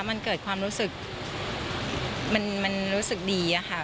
มันเกิดความรู้สึกมันรู้สึกดีอะค่ะ